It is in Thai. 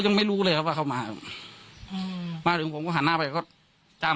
ยังไม่รู้เลยครับว่าเขามาอืมมาถึงผมก็หันหน้าไปก็ตาม